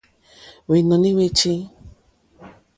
Hwènɔ̀ní hwé chí.